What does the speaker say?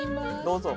どうぞ。